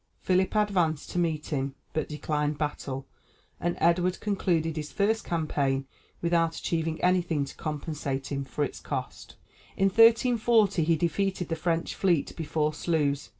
Philip advanced to meet him, but declined battle, and Edward concluded his first campaign without achieving anything to compensate him for its cost. In 1340 he defeated the French fleet before Sluys.